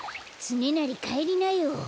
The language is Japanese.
つねなりかえりなよ。